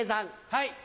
はい。